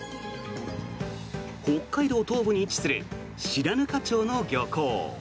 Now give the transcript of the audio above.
北海道東部に位置する白糠町の漁港。